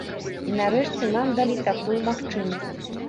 І нарэшце нам далі такую магчымасць.